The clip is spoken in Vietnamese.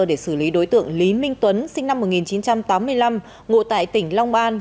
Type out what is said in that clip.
để xử lý đối tượng lý minh tuấn sinh năm một nghìn chín trăm tám mươi năm ngụ tại tỉnh long an